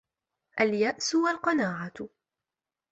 الْيَأْسُ وَالْقَنَاعَةُ